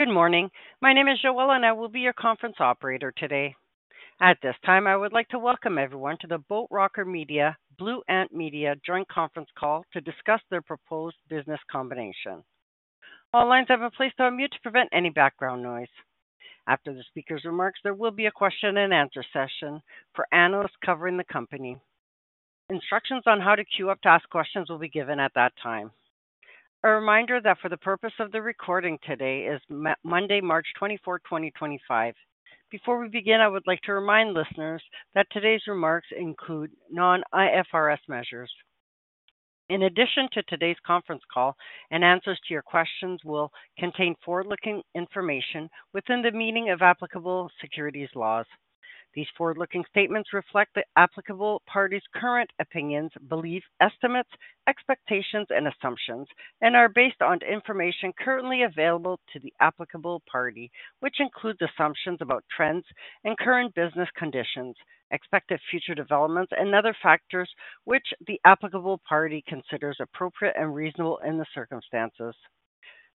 Good morning. My name is Joella, and I will be your conference operator today. At this time, I would like to welcome everyone to the Boat Rocker Media/Blue Ant Media joint conference call to discuss their proposed business combination. All lines have been placed on mute to prevent any background noise. After the speaker's remarks, there will be a question-and-answer session for analysts covering the company. Instructions on how to queue up to ask questions will be given at that time. A reminder that for the purpose of the recording today is Monday, March 24, 2025. Before we begin, I would like to remind listeners that today's remarks include non-IFRS measures. In addition to today's conference call, and answers to your questions will contain forward-looking information within the meaning of applicable securities laws. These forward-looking statements reflect the applicable party's current opinions, beliefs, estimates, expectations, and assumptions, and are based on information currently available to the applicable party, which includes assumptions about trends and current business conditions, expected future developments, and other factors which the applicable party considers appropriate and reasonable in the circumstances.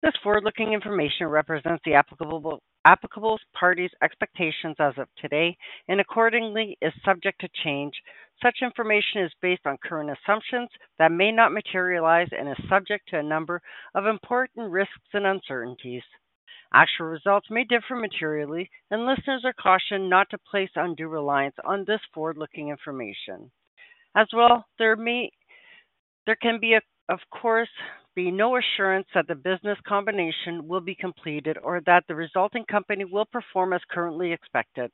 This forward-looking information represents the applicable party's expectations as of today and accordingly is subject to change. Such information is based on current assumptions that may not materialize and is subject to a number of important risks and uncertainties. Actual results may differ materially, and listeners are cautioned not to place undue reliance on this forward-looking information. As well, there can be, of course, no assurance that the business combination will be completed or that the resulting company will perform as currently expected.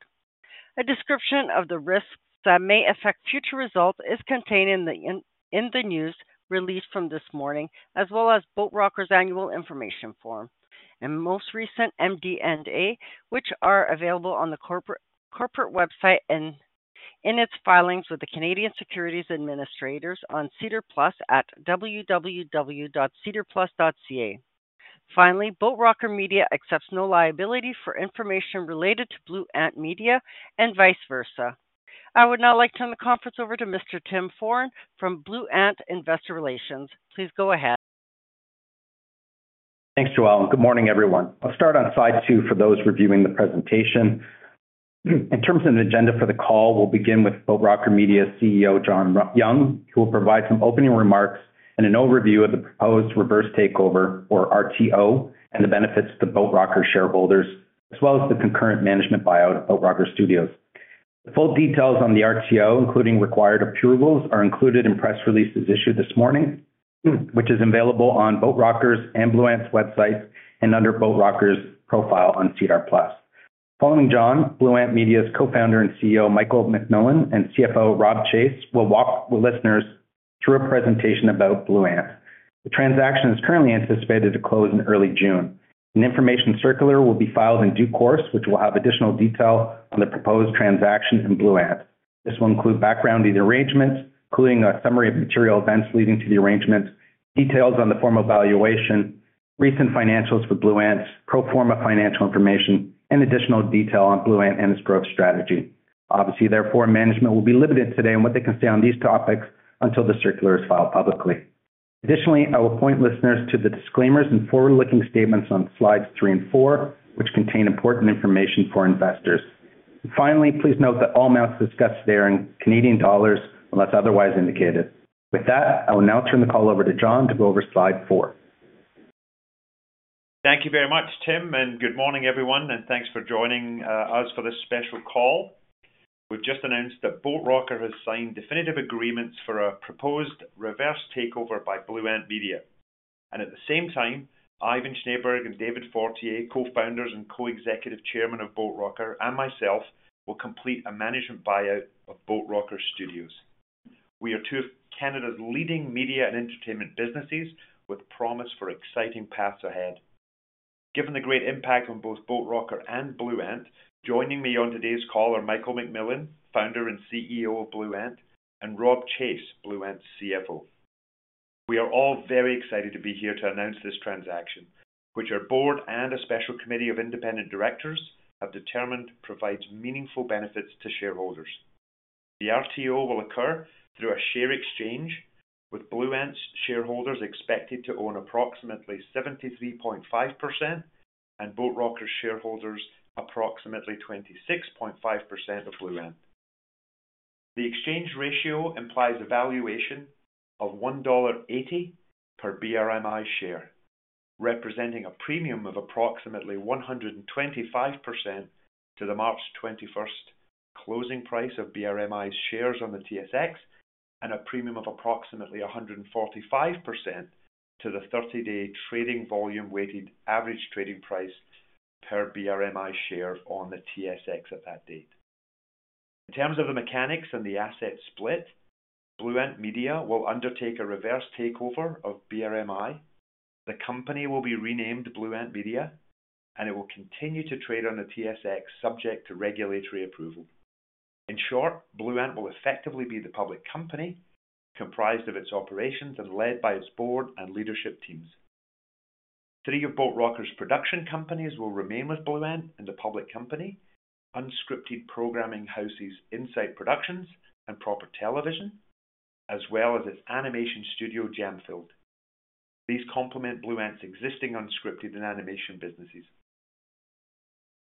A description of the risks that may affect future results is contained in the news released from this morning, as well as Boat Rocker's Annual Information Form and most recent MD&A, which are available on the corporate website and in its filings with the Canadian Securities Administrators on SEDAR+ at www.sedarplus.ca. Finally, Boat Rocker Media accepts no liability for information related to Blue Ant Media and vice versa. I would now like to turn the conference over to Mr. Tim Foran from Blue Ant Investor Relations. Please go ahead. Thanks, Joella. Good morning, everyone. I'll start on slide two for those reviewing the presentation. In terms of the agenda for the call, we'll begin with Boat Rocker Media's CEO, John Young, who will provide some opening remarks and an overview of the proposed reverse takeover, or RTO, and the benefits to Boat Rocker shareholders, as well as the concurrent management buyout of Boat Rocker Studios. The full details on the RTO, including required approvals, are included in press releases issued this morning, which is available on Boat Rocker's website and under Boat Rocker's profile on SEDAR+. Following John, Blue Ant Media's co-founder and CEO, Michael MacMillan, and CFO, Robb Chase, will walk listeners through a presentation about Blue Ant. The transaction is currently anticipated to close in early June. An information circular will be filed in due course, which will have additional detail on the proposed transaction in Blue Ant. This will include background of the arrangements, including a summary of material events leading to the arrangements, details on the form of valuation, recent financials for Blue Ant, pro forma financial information, and additional detail on Blue Ant and its growth strategy. Obviously, therefore, management will be limited today in what they can say on these topics until the circular is filed publicly. Additionally, I will point listeners to the disclaimers and forward-looking statements on slides three and four, which contain important information for investors. Finally, please note that all amounts discussed there are in CAD unless otherwise indicated. With that, I will now turn the call over to John to go over slide four. Thank you very much, Tim, and good morning, everyone, and thanks for joining us for this special call. We have just announced that Boat Rocker has signed definitive agreements for a proposed reverse takeover by Blue Ant Media. At the same time, Ivan Schneeberg and David Fortier, co-founders and co-executive chairmen of Boat Rocker, and myself will complete a management buyout of Boat Rocker Studios. We are two of Canada's leading media and entertainment businesses with promise for exciting paths ahead. Given the great impact on both Boat Rocker and Blue Ant, joining me on today's call are Michael MacMillan, founder and CEO of Blue Ant, and Robb Chase, Blue Ant's CFO. We are all very excited to be here to announce this transaction, which our board and a special committee of independent directors have determined provides meaningful benefits to shareholders. The RTO will occur through a share exchange, with Blue Ant's shareholders expected to own approximately 73.5% and Boat Rocker's shareholders approximately 26.5% of Blue Ant. The exchange ratio implies a valuation of 1.80 dollar per BRMI share, representing a premium of approximately 125% to the March 21st closing price of BRMI's shares on the TSX and a premium of approximately 145% to the 30-day trading volume weighted average trading price per BRMI share on the TSX at that date. In terms of the mechanics and the asset split, Blue Ant Media will undertake a reverse takeover of BRMI. The company will be renamed Blue Ant Media, and it will continue to trade on the TSX, subject to regulatory approval. In short, Blue Ant will effectively be the public company comprised of its operations and led by its board and leadership teams. Three of Boat Rocker's production companies will remain with Blue Ant and the public company, unscripted programming houses Insight Productions and Proper Television, as well as its animation studio, Jam Filled. These complement Blue Ant's existing unscripted and animation businesses.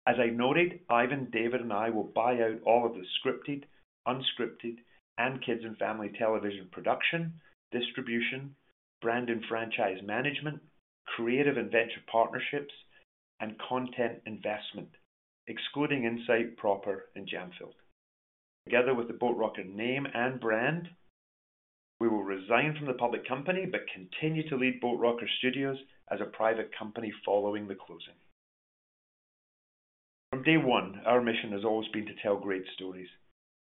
As I noted, Ivan, David, and I will buy out all of the scripted, unscripted, and kids and family television production, distribution, brand and franchise management, creative and venture partnerships, and content investment, excluding Insight, Proper, and Jam Filled. Together with the Boat Rocker name and brand, we will resign from the public company but continue to lead Boat Rocker Studios as a private company following the closing. From day one, our mission has always been to tell great stories.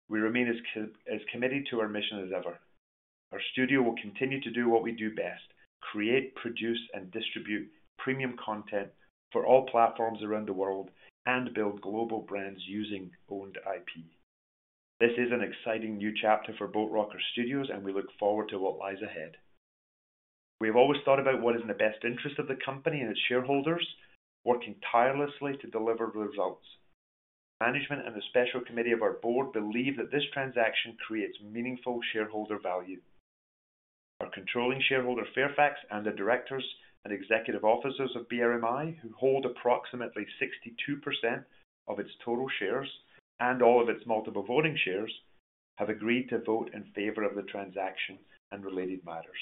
We remain as committed to our mission as ever. Our studio will continue to do what we do best: create, produce, and distribute premium content for all platforms around the world and build global brands using owned IP. This is an exciting new chapter for Boat Rocker Studios, and we look forward to what lies ahead. We have always thought about what is in the best interest of the company and its shareholders, working tirelessly to deliver results. Management and the special committee of our board believe that this transaction creates meaningful shareholder value. Our controlling shareholder, Fairfax, and the directors and executive officers of BRMI, who hold approximately 62% of its total shares and all of its multiple voting shares, have agreed to vote in favor of the transaction and related matters.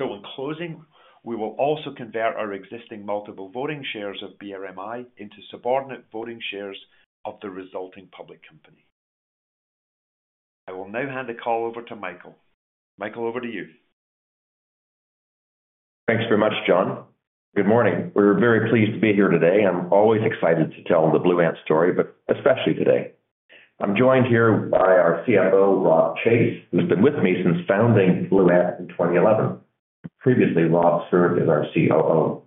In closing, we will also convert our existing multiple voting shares of BRMI into subordinate voting shares of the resulting public company. I will now hand the call over to Michael. Michael, over to you. Thanks very much, John. Good morning. We're very pleased to be here today. I'm always excited to tell the Blue Ant story, but especially today. I'm joined here by our CFO, Robb Chase, who's been with me since founding Blue Ant in 2011. Previously, Robb served as our COO.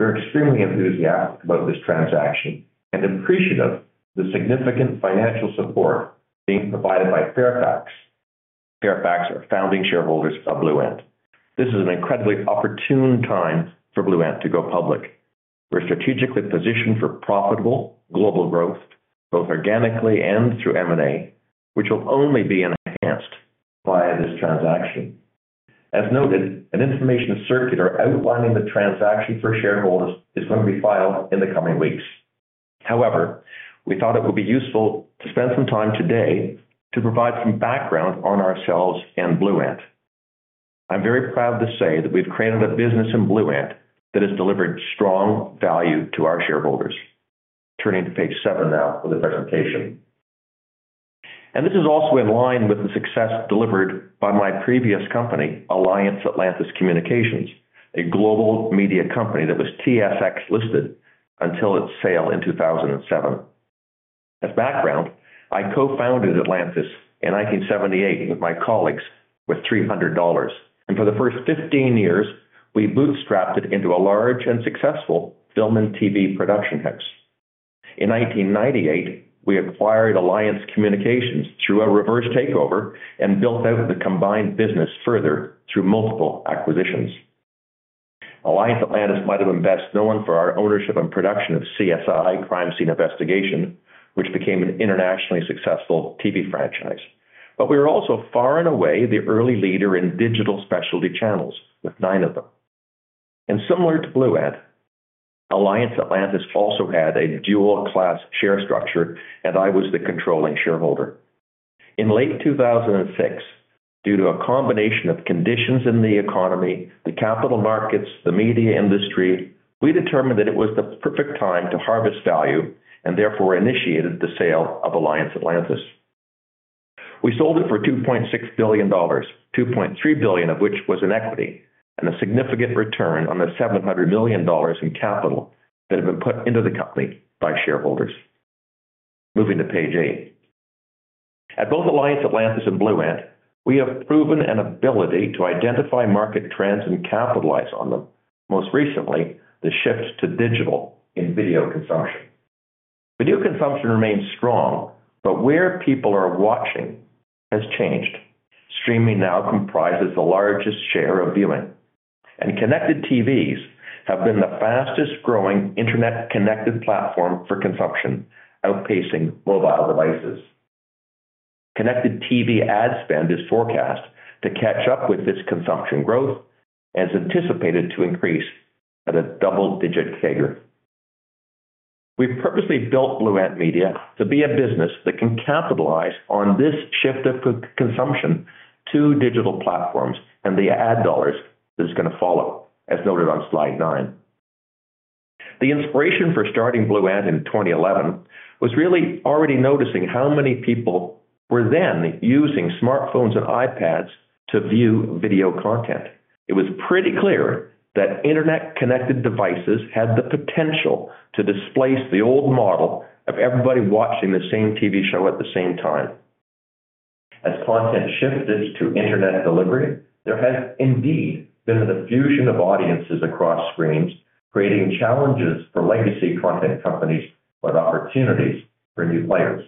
We're extremely enthusiastic about this transaction and appreciative of the significant financial support being provided by Fairfax. Fairfax are founding shareholders of Blue Ant. This is an incredibly opportune time for Blue Ant to go public. We're strategically positioned for profitable global growth, both organically and through M&A, which will only be enhanced by this transaction. As noted, an information circular outlining the transaction for shareholders is going to be filed in the coming weeks. However, we thought it would be useful to spend some time today to provide some background on ourselves and Blue Ant. I'm very proud to say that we've created a business in Blue Ant that has delivered strong value to our shareholders. Turning to page seven now for the presentation. This is also in line with the success delivered by my previous company, Alliance Atlantis Communications, a global media company that was TSX-listed until its sale in 2007. As background, I co-founded Atlantis in 1978 with my colleagues with 300 dollars. For the first 15 years, we bootstrapped it into a large and successful film and TV production house. In 1998, we acquired Alliance Communications through a reverse takeover and built out the combined business further through multiple acquisitions. Alliance Atlantis might have been best known for our ownership and production of CSI: Crime Scene Investigation, which became an internationally successful TV franchise. We were also far and away the early leader in digital specialty channels, with nine of them. Similar to Blue Ant, Alliance Atlantis also had a dual-class share structure, and I was the controlling shareholder. In late 2006, due to a combination of conditions in the economy, the capital markets, the media industry, we determined that it was the perfect time to harvest value and therefore initiated the sale of Alliance Atlantis. We sold it for 2.6 billion dollars, 2.3 billion of which was in equity, and a significant return on the 700 million dollars in capital that had been put into the company by shareholders. Moving to page eight. At both Alliance Atlantis and Blue Ant, we have proven an ability to identify market trends and capitalize on them, most recently the shift to digital in video consumption. Video consumption remains strong, but where people are watching has changed. Streaming now comprises the largest share of viewing. Connected TVs have been the fastest-growing internet-connected platform for consumption, outpacing mobile devices. Connected TV ad spend is forecast to catch up with this consumption growth and is anticipated to increase at a double-digit figure. We've purposely built Blue Ant Media to be a business that can capitalize on this shift of consumption to digital platforms and the ad dollars that is going to follow, as noted on slide nine. The inspiration for starting Blue Ant in 2011 was really already noticing how many people were then using smartphones and iPads to view video content. It was pretty clear that internet-connected devices had the potential to displace the old model of everybody watching the same TV show at the same time. As content shifted to internet delivery, there has indeed been a diffusion of audiences across screens, creating challenges for legacy content companies but opportunities for new players.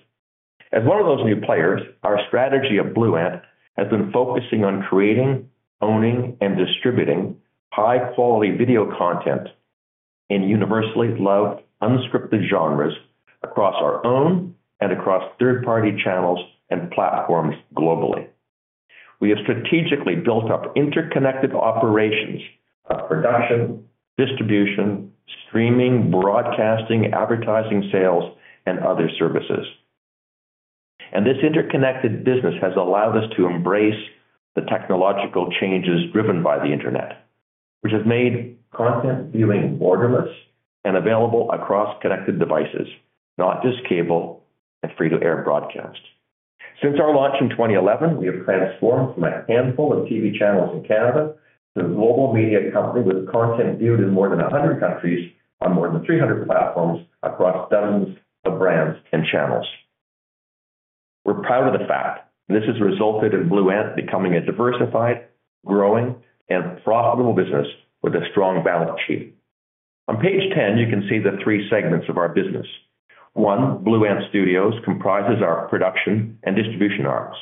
As one of those new players, our strategy at Blue Ant has been focusing on creating, owning, and distributing high-quality video content in universally loved unscripted genres across our own and across third-party channels and platforms globally. We have strategically built up interconnected operations of production, distribution, streaming, broadcasting, advertising sales, and other services. This interconnected business has allowed us to embrace the technological changes driven by the internet, which have made content viewing borderless and available across connected devices, not just cable and free-to-air broadcast. Since our launch in 2011, we have transformed from a handful of TV channels in Canada to a global media company with content viewed in more than 100 countries on more than 300 platforms across dozens of brands and channels. We're proud of the fact, and this has resulted in Blue Ant becoming a diversified, growing, and profitable business with a strong balance sheet. On page 10, you can see the three segments of our business. One, Blue Ant Studios, comprises our production and distribution arcs.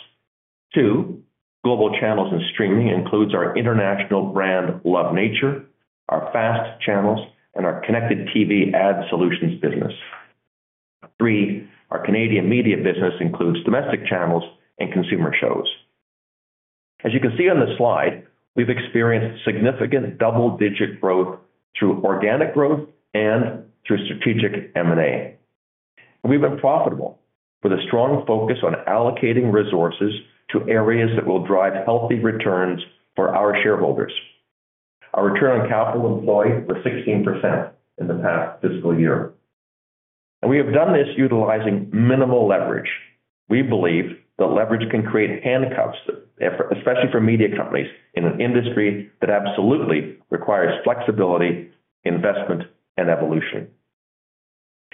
Two, Global Channels and Streaming includes our international brand Love Nature, FAST channels, and our Connected TV ad solutions business. Three, our Canadian Media business includes domestic channels and consumer shows. As you can see on the slide, we've experienced significant double-digit growth through organic growth and through strategic M&A. have been profitable with a strong focus on allocating resources to areas that will drive healthy returns for our shareholders. Our return on capital employed was 16% in the past fiscal year. We have done this utilizing minimal leverage. We believe that leverage can create handcuffs, especially for media companies in an industry that absolutely requires flexibility, investment, and evolution.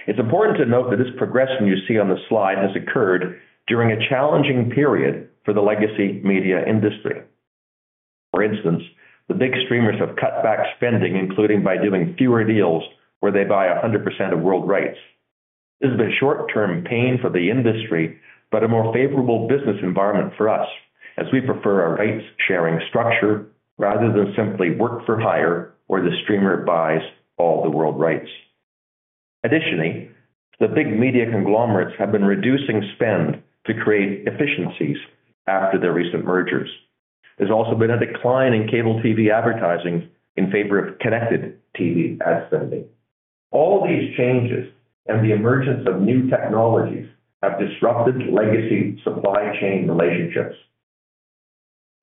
It is important to note that this progression you see on the slide has occurred during a challenging period for the legacy media industry. For instance, the big streamers have cut back spending, including by doing fewer deals where they buy 100% of world rights. This has been short-term pain for the industry, but a more favorable business environment for us, as we prefer a rights-sharing structure rather than simply work-for-hire where the streamer buys all the world rights. Additionally, the big media conglomerates have been reducing spend to create efficiencies after their recent mergers. There has also been a decline in cable TV advertising in favor of Connected TV ad spending. All these changes and the emergence of new technologies have disrupted legacy supply chain relationships.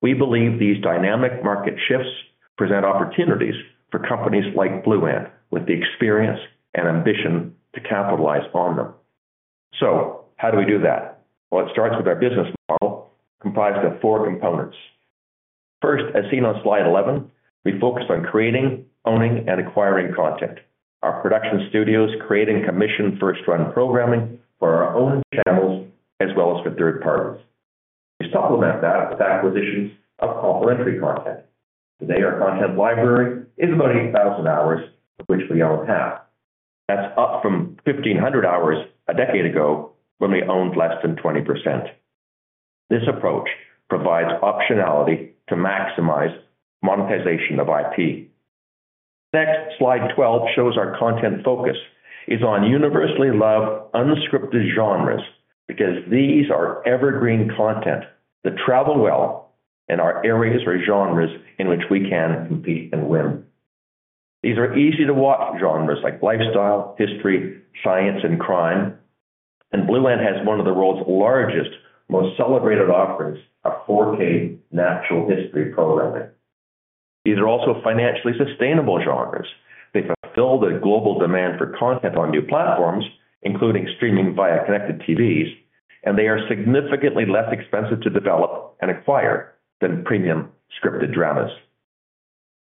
We believe these dynamic market shifts present opportunities for companies like Blue Ant with the experience and ambition to capitalize on them. How do we do that? It starts with our business model, comprised of four components. First, as seen on slide 11, we focus on creating, owning, and acquiring content. Our production studios create and commission first-run programming for our own channels as well as for third parties. We supplement that with acquisitions of complementary content. Today, our content library is about 8,000 hours, of which we own half. That's up from 1,500 hours a decade ago when we owned less than 20%. This approach provides optionality to maximize monetization of IP. Next, slide 12 shows our content focus is on universally loved unscripted genres because these are evergreen content that travel well in our areas or genres in which we can compete and win. These are easy-to-watch genres like lifestyle, history, science, and crime. Blue Ant has one of the world's largest, most celebrated offerings of 4K natural history programming. These are also financially sustainable genres. They fulfill the global demand for content on new platforms, including streaming via Connected TVs, and they are significantly less expensive to develop and acquire than premium scripted dramas.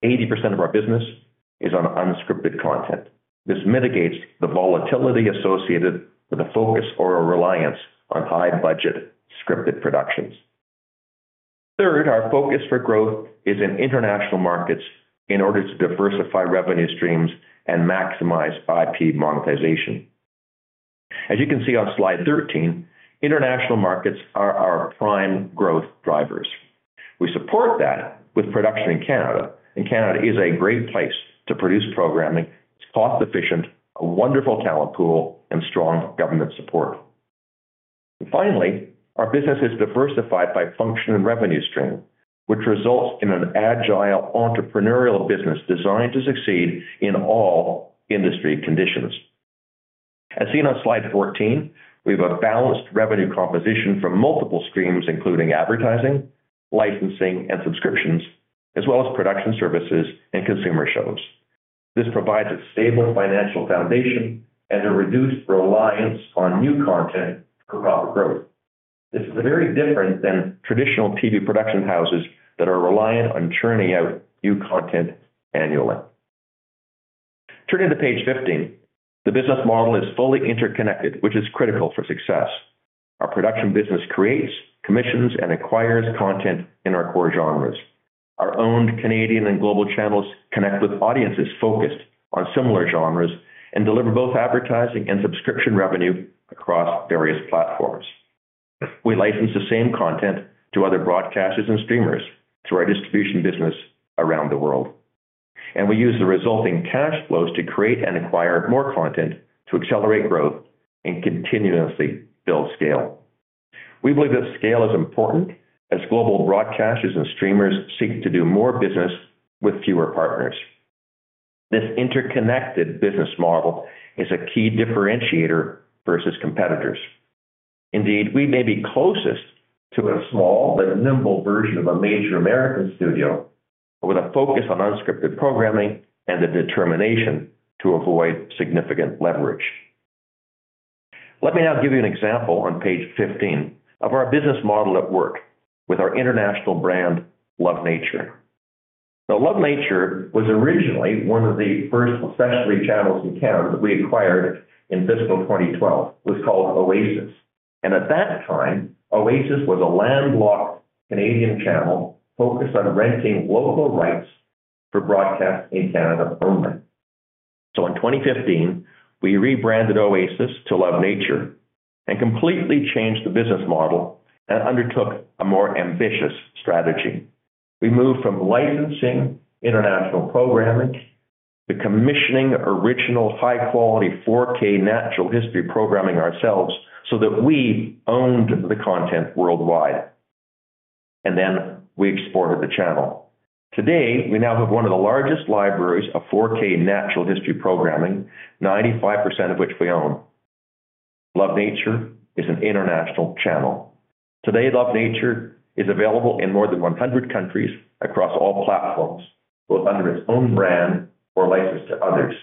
80% of our business is on unscripted content. This mitigates the volatility associated with a focus or a reliance on high-budget scripted productions. Third, our focus for growth is in international markets in order to diversify revenue streams and maximize IP monetization. As you can see on slide 13, international markets are our prime growth drivers. We support that with production in Canada, and Canada is a great place to produce programming. It's cost-efficient, a wonderful talent pool, and strong government support. Finally, our business is diversified by function and revenue stream, which results in an agile entrepreneurial business designed to succeed in all industry conditions. As seen on slide 14, we have a balanced revenue composition from multiple streams, including advertising, licensing, and subscriptions, as well as production services and consumer shows. This provides a stable financial foundation and a reduced reliance on new content for proper growth. This is very different than traditional TV production houses that are reliant on churning out new content annually. Turning to page 15, the business model is fully interconnected, which is critical for success. Our production business creates, commissions, and acquires content in our core genres. Our owned Canadian and Global Channels connect with audiences focused on similar genres and deliver both advertising and subscription revenue across various platforms. We license the same content to other broadcasters and streamers through our distribution business around the world. We use the resulting cash flows to create and acquire more content to accelerate growth and continuously build scale. We believe that scale is important as global broadcasters and streamers seek to do more business with fewer partners. This interconnected business model is a key differentiator versus competitors. Indeed, we may be closest to a small but nimble version of a major American studio with a focus on unscripted programming and the determination to avoid significant leverage. Let me now give you an example on page 15 of our business model at work with our international brand Love Nature. Now, Love Nature was originally one of the first specialty channels in Canada that we acquired in fiscal 2012. It was called Oasis. At that time, Oasis was a landlocked Canadian channel focused on renting local rights for broadcast in Canada only. In 2015, we rebranded Oasis to Love Nature and completely changed the business model and undertook a more ambitious strategy. We moved from licensing international programming to commissioning original high-quality 4K natural history programming ourselves so that we owned the content worldwide. We exported the channel. Today, we now have one of the largest libraries of 4K natural history programming, 95% of which we own. Love Nature is an international channel. Today, Love Nature is available in more than 100 countries across all platforms, both under its own brand or licensed to others.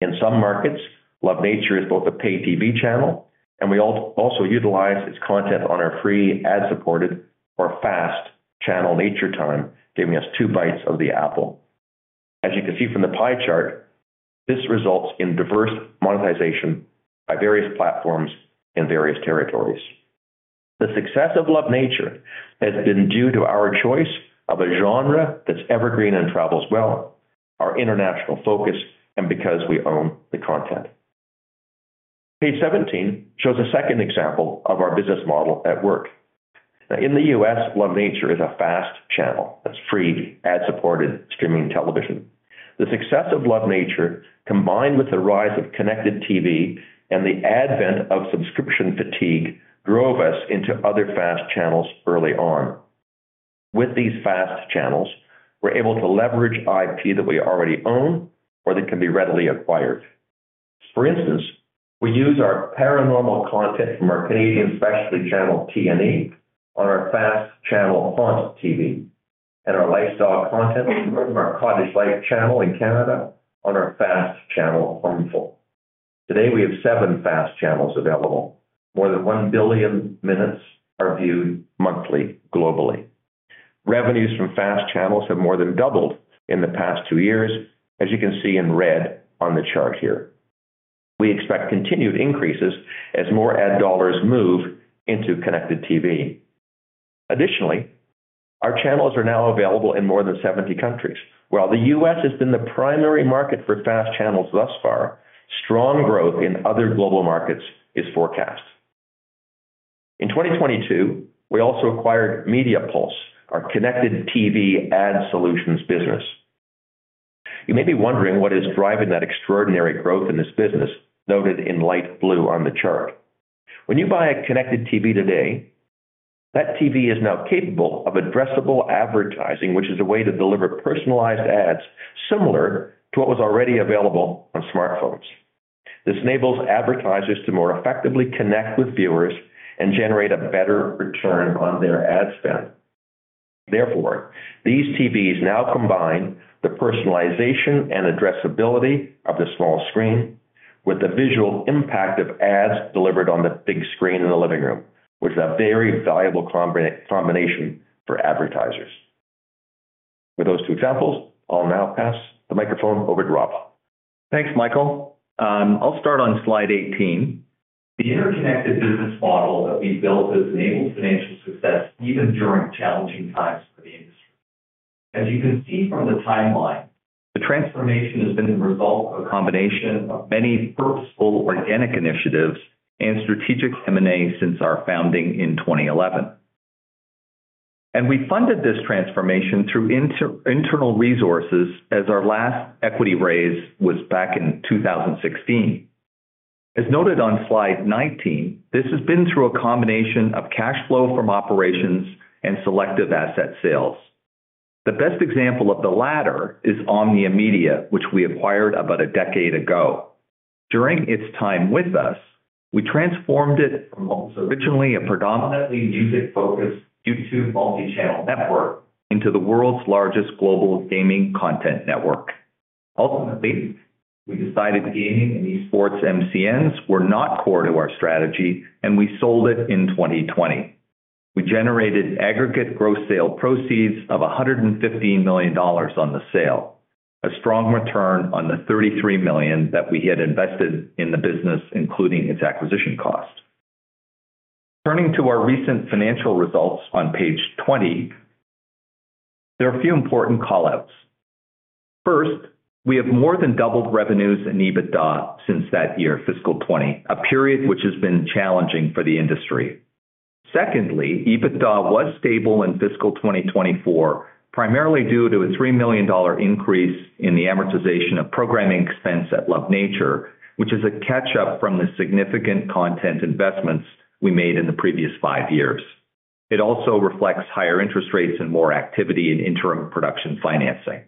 In some markets, Love Nature is both a payTV channel, and we also utilize its content on our free ad-supported or FAST channel NatureTime, giving us two bites of the apple. As you can see from the pie chart, this results in diverse monetization by various platforms in various territories. The success of Love Nature has been due to our choice of a genre that's evergreen and travels well, our international focus, and because we own the content. Page 17 shows a second example of our business model at work. In the U.S., Love Nature is a FAST channel that's free ad-supported streaming television. The success of Love Nature, combined with the rise of Connected TV and the advent of subscription fatigue, drove us into FAST channels early on. With FAST channels, we're able to leverage IP that we already own or that can be readily acquired. For instance, we use our paranormal content from our Canadian specialty channel T+E on our FAST channel HauntTV and our lifestyle content from our Cottage Life channel in Canada on our FAST channel Homeful. Today, we have FAST channels available. More than 1 billion minutes are viewed monthly globally. Revenues FAST channels have more than doubled in the past two years, as you can see in red on the chart here. We expect continued increases as more ad dollars move into Connected TV. Additionally, our channels are now available in more than 70 countries. While the U.S. has been the primary market FAST channels thus far, strong growth in other global markets is forecast. In 2022, we also acquired Media Pulse, our Connected TV ad solutions business. You may be wondering what is driving that extraordinary growth in this business noted in light blue on the chart. When you buy a Connected TV today, that TV is now capable of addressable advertising, which is a way to deliver personalized ads similar to what was already available on smartphones. This enables advertisers to more effectively connect with viewers and generate a better return on their ad spend. Therefore, these TVs now combine the personalization and addressability of the small screen with the visual impact of ads delivered on the big screen in the living room, which is a very valuable combination for advertisers. With those two examples, I'll now pass the microphone over to Robb. Thanks, Michael. I'll start on slide 18. The interconnected business model that we built has enabled financial success even during challenging times for the industry. As you can see from the timeline, the transformation has been the result of a combination of many purposeful organic initiatives and strategic M&A since our founding in 2011. We funded this transformation through internal resources as our last equity raise was back in 2016. As noted on slide 19, this has been through a combination of cash flow from operations and selective asset sales. The best example of the latter is Omnia Media, which we acquired about a decade ago. During its time with us, we transformed it from what was originally a predominantly music-focused YouTube multi-channel network into the world's largest global gaming content network. Ultimately, we decided gaming and eSports MCNs were not core to our strategy, and we sold it in 2020. We generated aggregate gross sale proceeds of 115 million dollars on the sale, a strong return on the 33 million that we had invested in the business, including its acquisition cost. Turning to our recent financial results on page 20, there are a few important callouts. First, we have more than doubled revenues and EBITDA since that year, fiscal 2020, a period which has been challenging for the industry. Secondly, EBITDA was stable in fiscal 2024, primarily due to a 3 million dollar increase in the amortization of programming expense at Love Nature, which is a catch-up from the significant content investments we made in the previous five years. It also reflects higher interest rates and more activity in interim production financing.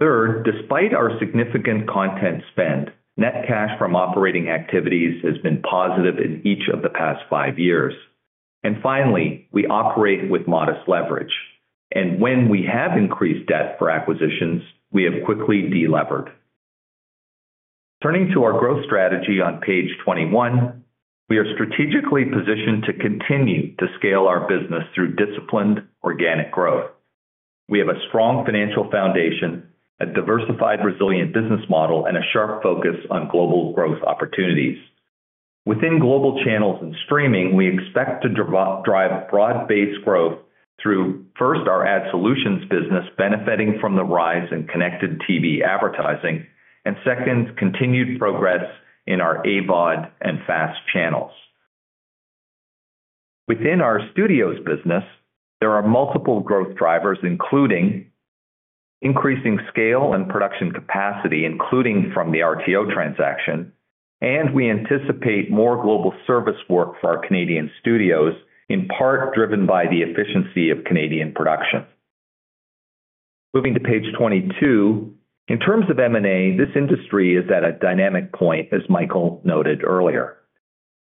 Third, despite our significant content spend, net cash from operating activities has been positive in each of the past five years. Finally, we operate with modest leverage. When we have increased debt for acquisitions, we have quickly delevered. Turning to our growth strategy on page 21, we are strategically positioned to continue to scale our business through disciplined organic growth. We have a strong financial foundation, a diversified, resilient business model, and a sharp focus on global growth opportunities. Within Global Channels and Streaming, we expect to drive broad-based growth through, first, our ad solutions business benefiting from the rise in Connected TV advertising, and second, continued progress in our AVOD and FAST channels. Within our studios business, there are multiple growth drivers, including increasing scale and production capacity, including from the RTO transaction, and we anticipate more global service work for our Canadian studios, in part driven by the efficiency of Canadian production. Moving to page 22, in terms of M&A, this industry is at a dynamic point, as Michael noted earlier.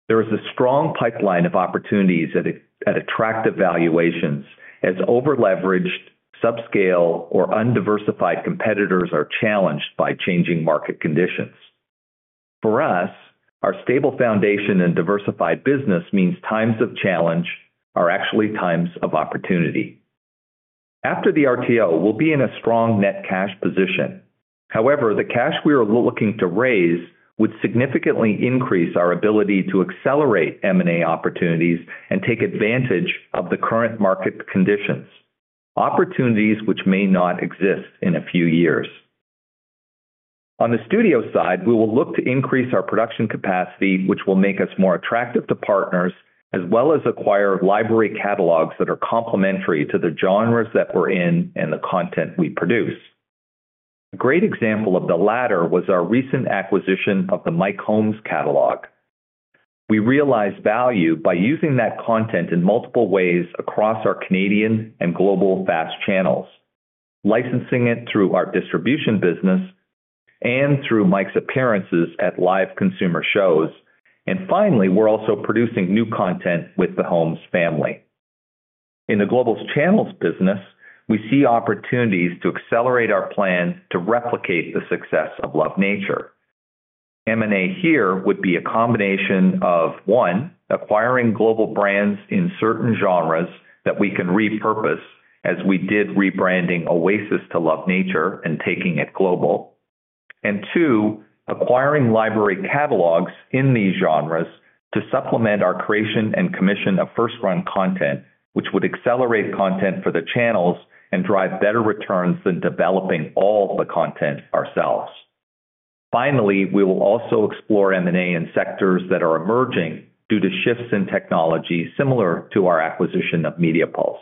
There is a strong pipeline of opportunities at attractive valuations as over-leveraged, subscale, or undiversified competitors are challenged by changing market conditions. For us, our stable foundation and diversified business means times of challenge are actually times of opportunity. After the RTO, we'll be in a strong net cash position. However, the cash we are looking to raise would significantly increase our ability to accelerate M&A opportunities and take advantage of the current market conditions, opportunities which may not exist in a few years. On the studio side, we will look to increase our production capacity, which will make us more attractive to partners, as well as acquire library catalogues that are complementary to the genres that we're in and the content we produce. A great example of the latter was our recent acquisition of the Mike Holmes catalogue. We realized value by using that content in multiple ways across our Canadian and FAST channels, licensing it through our distribution business and through Mike's appearances at live consumer shows. Finally, we're also producing new content with the Holmes family. In the Global Channels business, we see opportunities to accelerate our plan to replicate the success of Love Nature. M&A here would be a combination of, one, acquiring global brands in certain genres that we can repurpose, as we did rebranding Oasis to Love Nature and taking it global, and two, acquiring library catalogues in these genres to supplement our creation and commission of first-run content, which would accelerate content for the channels and drive better returns than developing all the content ourselves. Finally, we will also explore M&A in sectors that are emerging due to shifts in technology similar to our acquisition of Media Pulse.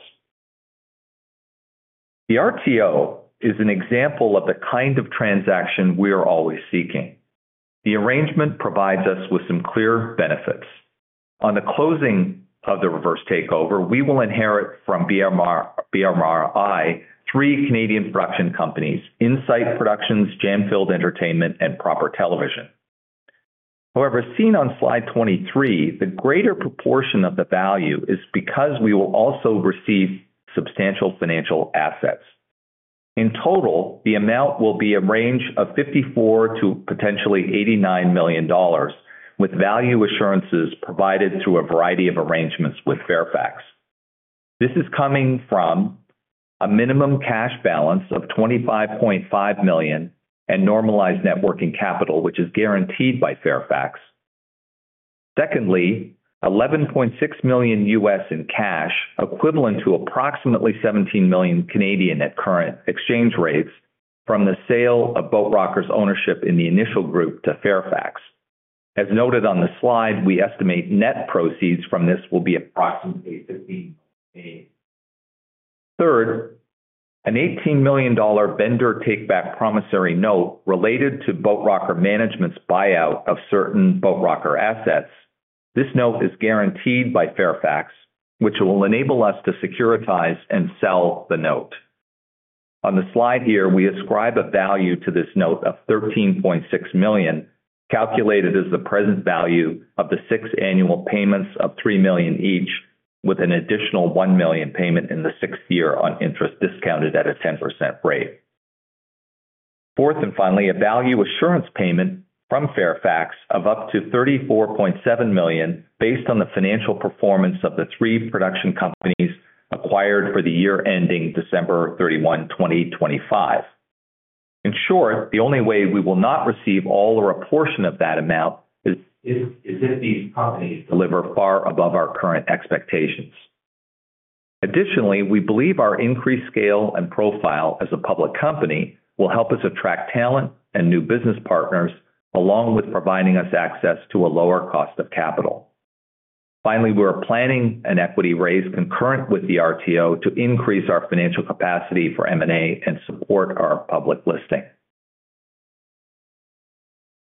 The RTO is an example of the kind of transaction we are always seeking. The arrangement provides us with some clear benefits. On the closing of the reverse takeover, we will inherit from Boat Rocker Media three Canadian production companies: Insight Productions, Jam Filled Entertainment, and Proper Television. However, seen on slide 23, the greater proportion of the value is because we will also receive substantial financial assets. In total, the amount will be a range of 54 million-89 million dollars, with value assurances provided through a variety of arrangements with Fairfax. This is coming from a minimum cash balance of 25.5 million and normalized net working capital, which is guaranteed by Fairfax. Secondly, $11.6 million in cash, equivalent to approximately 17 million at current exchange rates, from the sale of Boat Rocker's ownership in The Initial Group to Fairfax. As noted on the slide, we estimate net proceeds from this will be approximately 15 million. Third, a 18 million dollar vendor takeback promissory note related to Boat Rocker Management's buyout of certain Boat Rocker assets. This note is guaranteed by Fairfax, which will enable us to securitize and sell the note. On the slide here, we ascribe a value to this note of 13.6 million, calculated as the present value of the six annual payments of 3 million each, with an additional 1 million payment in the sixth year on interest discounted at a 10% rate. Fourth and finally, a value assurance payment from Fairfax of up to 34.7 million based on the financial performance of the three production companies acquired for the year ending December 31, 2025. In short, the only way we will not receive all or a portion of that amount is if these companies deliver far above our current expectations. Additionally, we believe our increased scale and profile as a public company will help us attract talent and new business partners, along with providing us access to a lower cost of capital. Finally, we are planning an equity raise concurrent with the RTO to increase our financial capacity for M&A and support our public listing.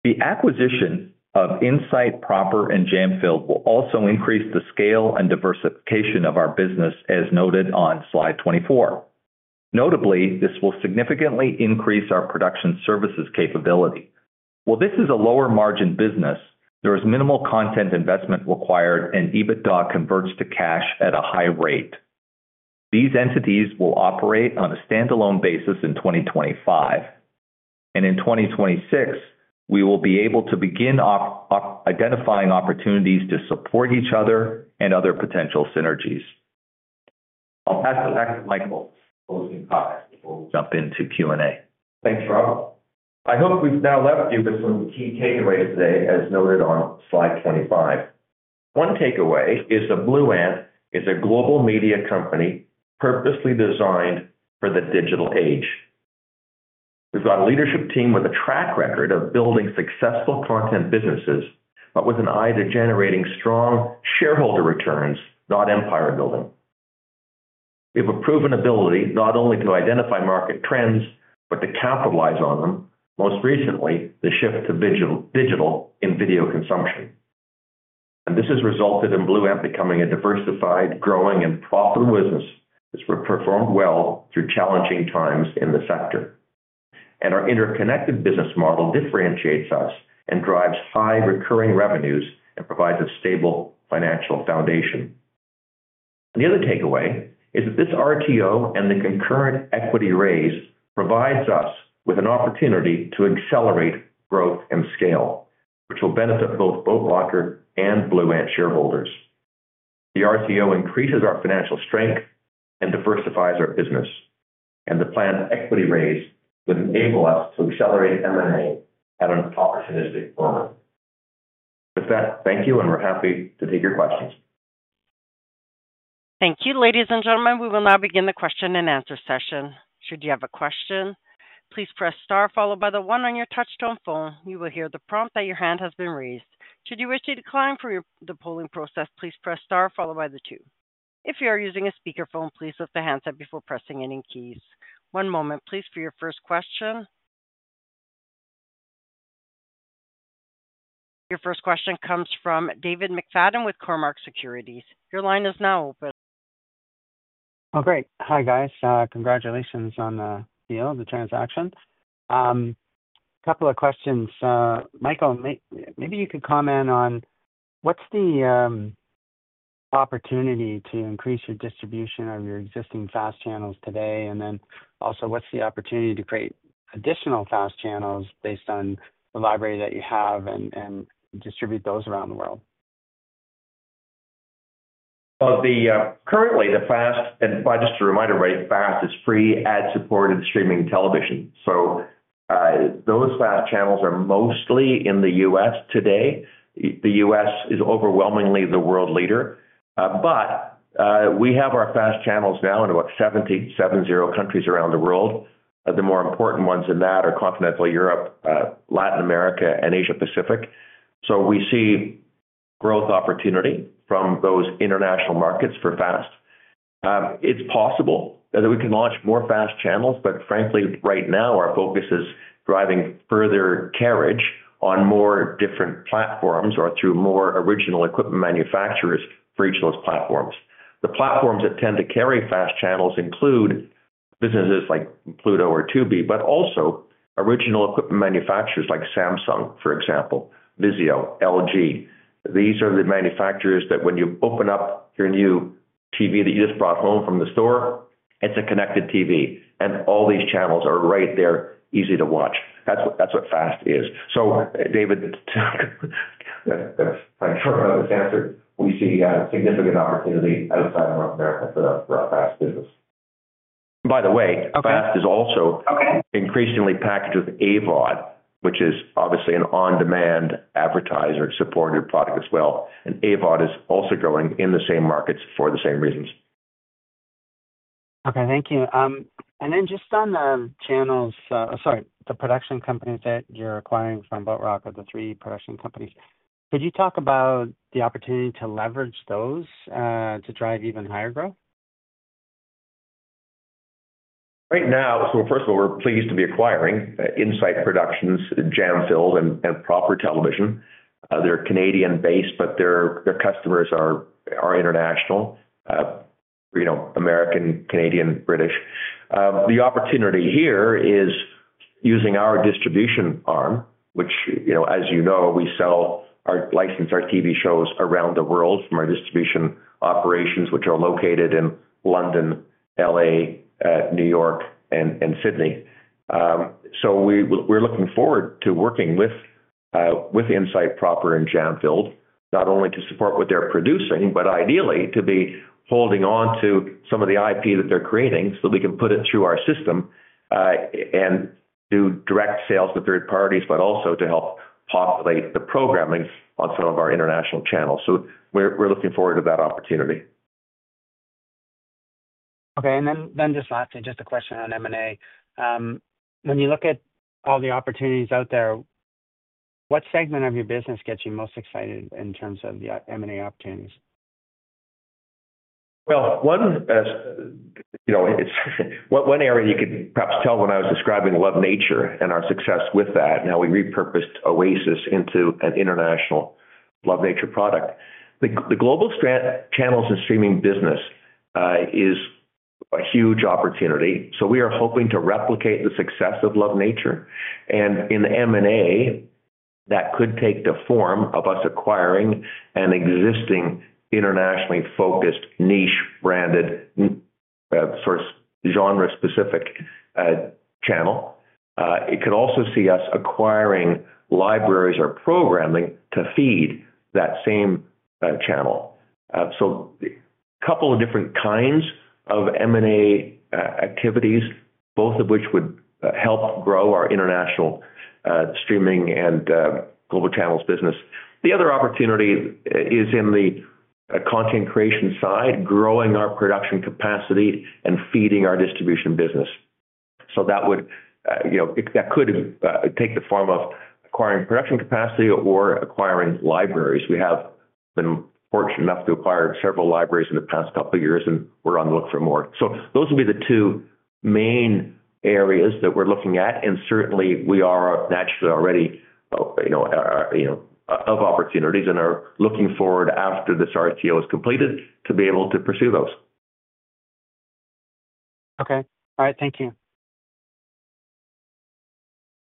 The acquisition of Insight, Proper, and Jam Filled will also increase the scale and diversification of our business, as noted on slide 24. Notably, this will significantly increase our production services capability. While this is a lower-margin business, there is minimal content investment required, and EBITDA converts to cash at a high rate. These entities will operate on a standalone basis in 2025. In 2026, we will be able to begin identifying opportunities to support each other and other potential synergies. I'll pass it back to Michael's closing comments before we jump into Q&A. Thanks, Robb. I hope we've now left you with some key takeaways today, as noted on slide 25. One takeaway is that Blue Ant is a global media company purposely designed for the digital age. We've got a leadership team with a track record of building successful content businesses, but with an eye to generating strong shareholder returns, not empire building. We have a proven ability not only to identify market trends, but to capitalize on them, most recently the shift to digital in video consumption. This has resulted in Blue Ant becoming a diversified, growing, and profitable business that's performed well through challenging times in the sector. Our interconnected business model differentiates us and drives high recurring revenues and provides a stable financial foundation. The other takeaway is that this RTO and the concurrent equity raise provides us with an opportunity to accelerate growth and scale, which will benefit both Boat Rocker and Blue Ant shareholders. The RTO increases our financial strength and diversifies our business. The planned equity raise will enable us to accelerate M&A at an opportunistic moment. With that, thank you, and we're happy to take your questions. Thank you, ladies and gentlemen. We will now begin the question and answer session. Should you have a question, please press star followed by the one on your touch-tone phone. You will hear the prompt that your hand has been raised. Should you wish to decline for the polling process, please press star followed by the two. If you are using a speakerphone, please lift the handset before pressing any keys. One moment, please, for your first question. Your first question comes from David McFadden with Cormark Securities. Your line is now open. Oh, great. Hi, guys. Congratulations on the deal, the transaction. A couple of questions. Michael, maybe you could comment on what's the opportunity to increase your distribution of your FAST channels today, and then also what's the opportunity to create FAST channels based on the library that you have and distribute those around the world? Currently, the fast, and just a reminder, fast is free ad supported streaming television. FAST channels are mostly in the U.S. today. The U.S. is overwhelmingly the world leader. We have FAST channels now in about 77 countries around the world. The more important ones in that are Continental Europe, Latin America, and Asia-Pacific. We see growth opportunity from those international markets for fast. It's possible that we can launch FAST channels, but frankly, right now, our focus is driving further carriage on more different platforms or through more original equipment manufacturers for each of those platforms. The platforms that tend to FAST channels include businesses like Pluto or Tubi, but also original equipment manufacturers like Samsung, for example, VIZIO, LG. These are the manufacturers that when you open up your new TV that you just brought home from the store, it is a Connected TV. All these channels are right there, easy to watch. That is what fast is. David, thanks for this answer. We see significant opportunity outside of North America for our fast business. By the way, fast is also increasingly packaged with AVOD, which is obviously an on-demand advertiser-supported product as well. AVOD is also growing in the same markets for the same reasons. Thank you. On the channels, sorry, the production companies that you are acquiring from Boat Rocker, the three production companies, could you talk about the opportunity to leverage those to drive even higher growth? Right now, so first of all, we're pleased to be acquiring Insight Productions, Jam Filled, and Proper Television. They're Canadian-based, but their customers are international, American, Canadian, British. The opportunity here is using our distribution arm, which, as you know, we sell or license our TV shows around the world from our distribution operations, which are located in London, L.A., New York, and Sydney. We're looking forward to working with Insight, Proper, and Jam Filled, not only to support what they're producing, but ideally to be holding on to some of the IP that they're creating so that we can put it through our system and do direct sales to third parties, but also to help populate the programming on some of our international channels. We're looking forward to that opportunity. Okay, and then just lastly, just a question on M&A. When you look at all the opportunities out there, what segment of your business gets you most excited in terms of the M&A opportunities? One area you could perhaps tell when I was describing Love Nature and our success with that, and how we repurposed Oasis into an international Love Nature product. The Global Channels and Streaming business is a huge opportunity. We are hoping to replicate the success of Love Nature. In M&A, that could take the form of us acquiring an existing internationally focused niche-branded sort of genre-specific channel. It could also see us acquiring libraries or programming to feed that same channel. A couple of different kinds of M&A activities, both of which would help grow our international streaming and Global Channels business. The other opportunity is in the content creation side, growing our production capacity and feeding our distribution business. That could take the form of acquiring production capacity or acquiring libraries. We have been fortunate enough to acquire several libraries in the past couple of years, and we are on the look for more. Those would be the two main areas that we are looking at. Certainly, we are naturally already of opportunities and are looking forward after this RTO is completed to be able to pursue those. Okay. All right, thank you.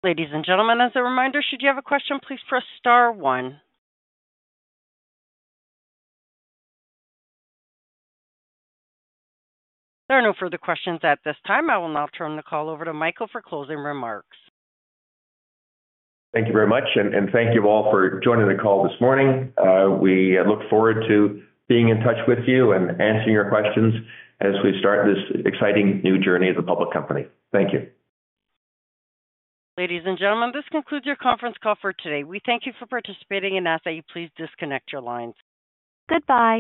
Ladies and gentlemen, as a reminder, should you have a question, please press star one. There are no further questions at this time. I will now turn the call over to Michael for closing remarks. Thank you very much. Thank you all for joining the call this morning. We look forward to being in touch with you and answering your questions as we start this exciting new journey as a public company. Thank you. Ladies and gentlemen, this concludes your conference call for today. We thank you for participating and ask that you please disconnect your lines. Goodbye.